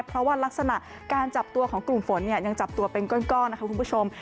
เพราะว่ารักษณะการจับตัวของกลุ่มฝนเนี่ยยังจับตัวเป็นก้อนนะคะคุณผู้ชม